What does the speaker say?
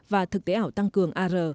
và thực tế ảo tăng cường ar